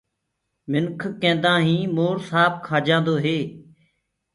منک ڪيدآئين مور سآنپ کآ جآندوئي